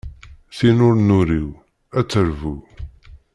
Tin ur d-nuriw ad d-terbu.